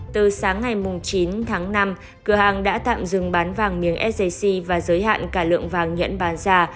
từ sáng ngày chín tháng năm cửa hàng đã tạm dừng bán vàng miếng sjc và giới hạn cả lượng vàng nhận bán ra